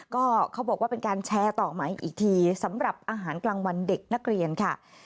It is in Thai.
ก็เขาบอกว่าเป็นการแชร์ต่อมาอีกทีสำหรับอาหารกลางวันเด็กนักเรียนค่ะ